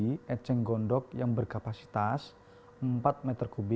dengan memanfaatkan eceng gondok yang berkapasitas empat m tiga